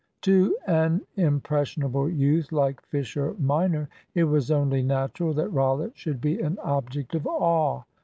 To an impressionable youth like Fisher minor it was only natural that Rollitt should be an object of awe.